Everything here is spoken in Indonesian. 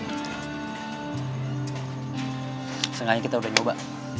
seenggaknya kita udah nyoba